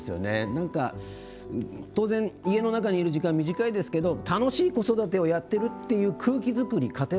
何か当然家の中にいる時間短いですけど楽しい子育てをやってるっていう空気作り家庭の中での。